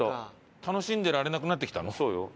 楽しんでられなくなってきた時間的に。